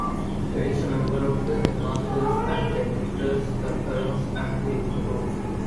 It is a member of the Headmasters' and Headmistresses' Conference and the Eton Group.